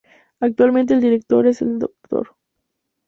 Actualmente el director es el Dr.